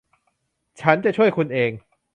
ฉันจะช่วยคุณเอง